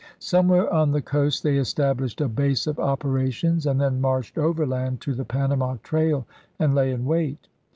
Somewhere on the coast they established a base of operations and then marched overland to the Panama trail and lay in wait.